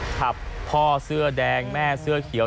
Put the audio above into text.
พ่อเสื้อแดงแม่เสื้อเขียว